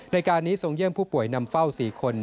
ในการนี้ทรงเยี่ยมผู้ป่วยนำเฝ้า๔คน